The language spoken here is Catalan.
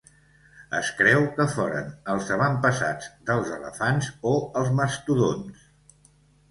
Es creu que foren els avantpassats dels elefants o els mastodonts.